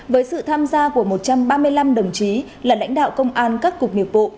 với sự tham gia của một trăm ba mươi năm đồng chí là lãnh đạo công an các cục nghiệp vụ